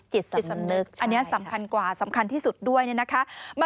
จิตจิตสำนึกอันนี้สำคัญกว่าสำคัญที่สุดด้วยเนี่ยนะคะ